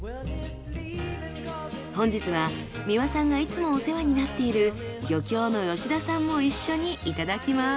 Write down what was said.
本日は三輪さんがいつもお世話になっている漁協の吉田さんも一緒にいただきます。